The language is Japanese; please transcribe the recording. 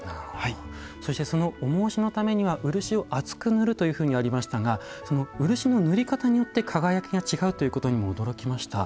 そしてその重押しのためには漆を厚く塗るというふうにありましたが漆の塗り方によって輝きが違うということにも驚きました。